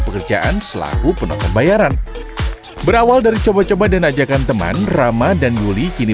pekerjaan selaku penonton bayaran berawal dari coba coba dan ajakan teman rama dan luli kini